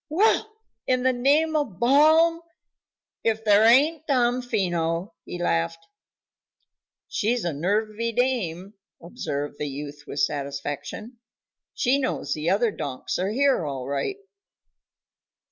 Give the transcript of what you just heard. "Well! In the name of Balaam, if there ain't Damfino!" he laughed. "She's a nervy dame," observed the youth with satisfaction. "She knows the other donks are here, all right."